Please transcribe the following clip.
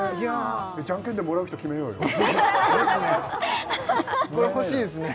じゃんけんでもらう人決めようよですね